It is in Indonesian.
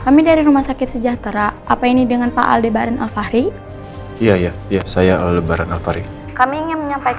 mendabrak sebuah truk dan sekarang sedang ditangani di igd pak